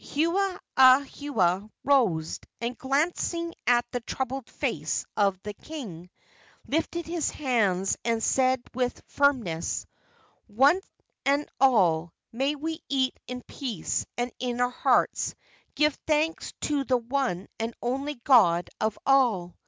Hewahewa rose, and, glancing at the troubled face of the king, lifted his hands and said with firmness: "One and all, may we eat in peace, and in our hearts give thanks to the one and only god of all."